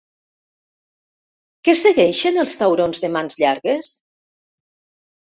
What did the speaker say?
Què segueixen els taurons de mans llargues?